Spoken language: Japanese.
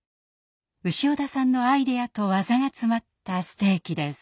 潮田さんのアイデアと技が詰まったステーキです。